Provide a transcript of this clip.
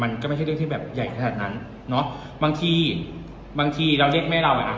มันก็ไม่ใช่เรื่องที่แบบใหญ่ขนาดนั้นเนอะบางทีบางทีเราเรียกแม่เราอ่ะ